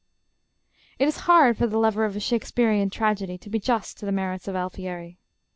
It is hard for the lover of Shakespearean tragedy to be just to the merits of Alfieri.